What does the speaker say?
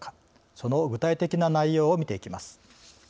その具体的な内容を見ていきます。